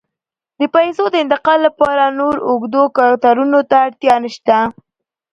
د پیسو د انتقال لپاره نور اوږدو کتارونو ته اړتیا نشته.